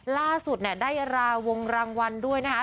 ล่าสุดได้ราวงรางวัลด้วยนะคะ